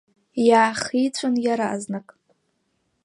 Иаахиҵәон иаразнак.